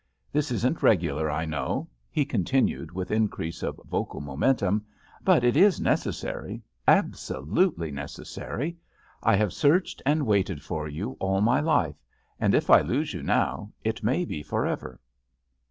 This isn't regular, I know," he continued with in crease of vocal momentum, "but it is neces sary — absolutely necessary. I have searched and waited for you all my life, and if I lose you now it may be forever."